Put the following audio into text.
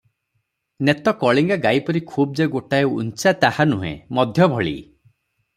ନେତ କଳିଙ୍ଗା ଗାଈ ପରି ଖୁବ୍ ଯେ ଗୋଟାଏ ଉଞ୍ଚା, ତାହା ନୁହେଁ, ମଧ୍ୟଭଳି ।